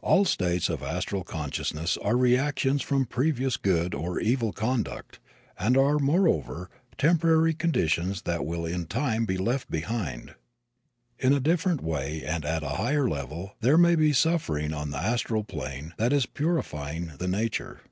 All states of astral consciousness are reactions from previous good or evil conduct and are, moreover, temporary conditions that will in time be left behind. In a different way and at a higher level there may be suffering on the astral plane that is purifying the nature.